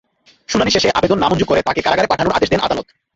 শুনানি শেষে আবেদন নামঞ্জুর করে তাঁকে কারাগারে পাঠানোর আদেশ দেন আদালত।